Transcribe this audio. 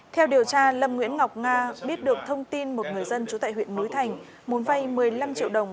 theo điều tra lâm nguyễn ngọc nga biết được thông tin một người dân trú tại huyện núi thành muốn vay một mươi năm triệu đồng